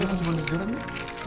ini mau sambil tiduran ya